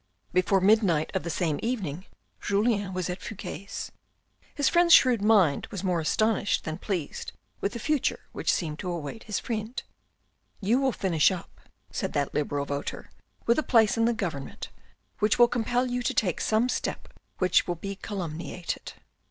Before midnight of the same evening, Julien was at Fouque's. His friend's shrewd mind was more astonished than pleased with the future which seemed to await his friend. " You will finish up," said that Liberal voter, " with a place in the Government, which will compel you to take some step which will be calumniated.